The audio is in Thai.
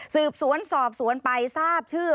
สืบสวนสอบสวนไปทราบชื่อ